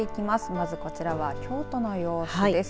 まず、こちらは京都の様子です。